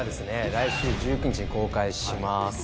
来週１９日に公開します